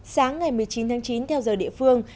sáng ngày một mươi chín tháng chín theo giờ địa phương